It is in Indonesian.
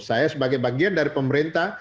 saya sebagai bagian dari pemerintah